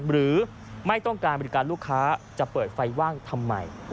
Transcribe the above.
ไม่ต้องการบริการลูกค้าจะเปิดไฟว่างทำไม